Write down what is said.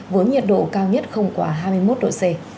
với nhiệt độ cao nhất không quá hai mươi một độ c